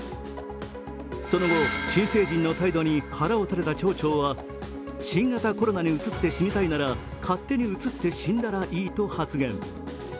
その後、新成人の態度に腹を立てた町長は新型コロナにうつって死にたいなら勝手にうつって死んだらいいと発言。